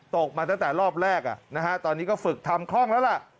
ตกมาตั้งแต่รอบแรกตอนนี้ก็ฝึกทำคล่องแล้วล่ะ